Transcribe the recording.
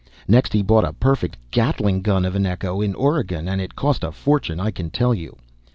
Next he bought a perfect Gatling gun of an echo in Oregon, and it cost a fortune, I can tell you.